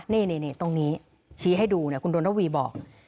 นี่ตรงนี้ชี้ให้ดูคุณดนระวีบอก